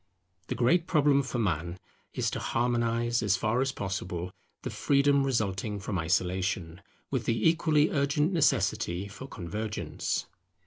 The great problem for man is to harmonize, as far as possible, the freedom resulting from isolation, with the equally urgent necessity for convergence.